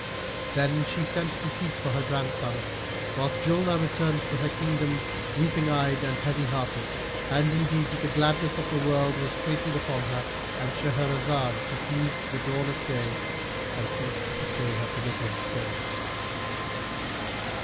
Then she sent to seek for her grandson, whilst Julnar returned to her kingdom, weeping eyed and heavy hearted, and indeed the gladness of the world was straitened upon her.——And Shahrazad perceived the dawn of day and ceased to say her permitted say.